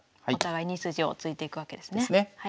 お互い２筋を突いていくわけですね。